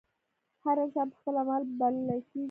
هر انسان پۀ خپل عمل بللے کيږي